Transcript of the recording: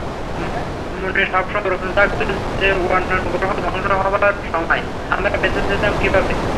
মনে সবসময় প্রশ্ন জাগতো যে অন্যান্য গ্রহ ধ্বংস হবার সময় আমরা বেঁচে যেতাম কীভাবে।